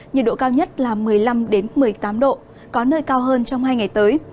nhiệt độ cao nhất là một mươi năm một mươi tám độ có nơi cao hơn trong hai ngày tới